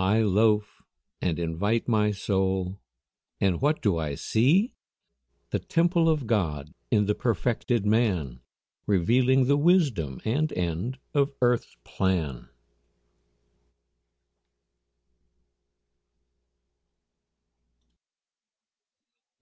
"I loafe and invite my soul." And what do I see? The temple of God in the perfected man Revealing the wisdom and end of earth's plan.